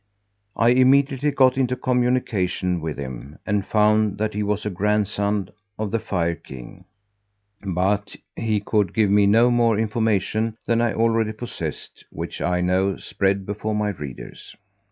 I immediately got into communication with him and found that he was a grandson of the Fire King, but he could give me no more information than I already possessed, which I now spread before my readers.